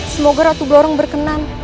semoga ratu blorong berkenan